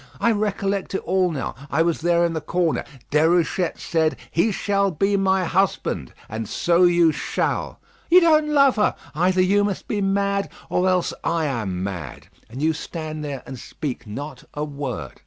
I recollect it all now. I was there in the corner; Déruchette said, 'He shall be my husband;' and so you shall. You don't love her! Either you must be mad, or else I am mad. And you stand there, and speak not a word.